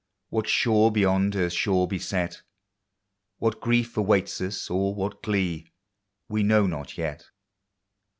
What shore beyond earth's shore be set; What grief awaits us, or what glee, We know not yet.